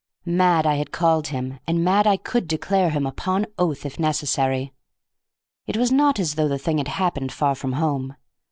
Mad I had called him, and mad I could declare him upon oath if necessary. It was not as though the thing had happened far from home.